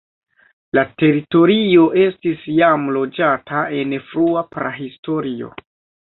La teritorio estis jam loĝata en frua prahistorio.